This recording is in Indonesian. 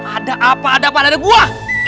ada apa ada apa ada buah